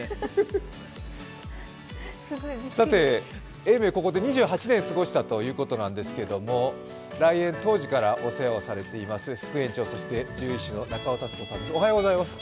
永明、ここで２８年過ごしたということなんですけども、来園当時からお世話をされています、副園長、そして獣医師の中尾さんです。